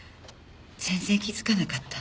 全然気づかなかった。